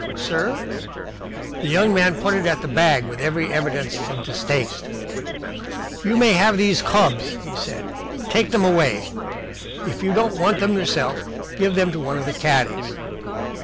"Sir?" The young man pointed at the bag with every evidence of distaste. "You may have these clubs," he said. "Take them away. If you don't want them yourself, give them to one of the caddies."